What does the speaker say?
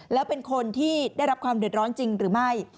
แล้วเป็นคนที่ได้รับความเดือดร้อนจริงหรือไม่